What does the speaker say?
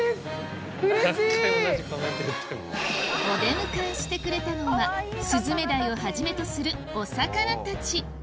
お出迎えしてくれたのはスズメダイをはじめとするお魚たち